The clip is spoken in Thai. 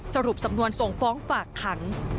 สรุปสำนวนส่งฟ้องฝากขัง